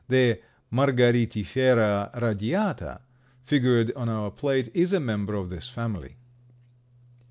The Margaritifera radiata, figured on our plate, is a member of this family.